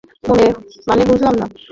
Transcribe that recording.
মানে বুঝলাম না?